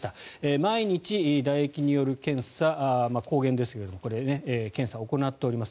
毎日、だ液による検査抗原ですが検査を行っています。